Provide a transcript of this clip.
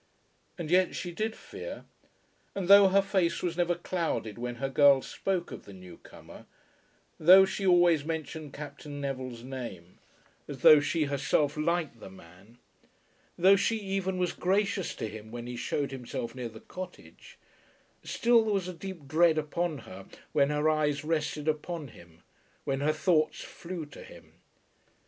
And yet she did fear; and though her face was never clouded when her girl spoke of the new comer, though she always mentioned Captain Neville's name as though she herself liked the man, though she even was gracious to him when he shewed himself near the cottage, still there was a deep dread upon her when her eyes rested upon him, when her thoughts flew to him.